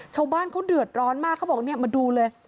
ชาวบ้านเขาเดือดร้อนมากเขาบอกเนี่ยมาดูเลย